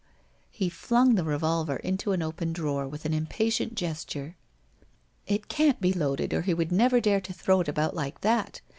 ' He flung the revolver into an open drawer with an im patient gesture. ' It can't be loaded or he would never dare to throw it about like that!